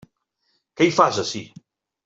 Què hi fas, ací?